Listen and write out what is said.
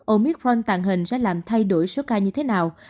omicront tàn hình sẽ làm thay đổi số ca như thế nào